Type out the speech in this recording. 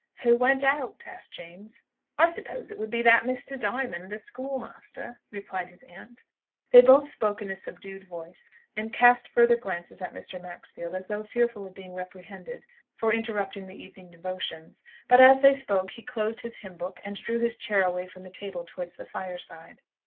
"Who went out?" asked James. "I suppose it would be that Mr. Diamond, the schoolmaster," replied his aunt. They both spoke in a subdued voice, and cast furtive glances at Mr. Maxfield, as though fearful of being reprehended for interrupting the evening devotions; but, as they spoke, he closed his hymn book, and drew his chair away from the table towards the fireside.